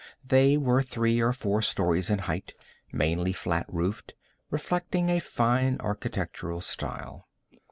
They were three or four stories in height, mainly flat roofed, reflecting a fine architectural style.